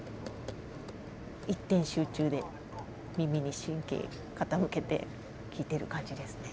一点集中で耳に神経傾けて聞いてる感じですね。